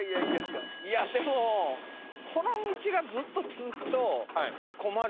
いやでもこの道がずっと続くと困るよね。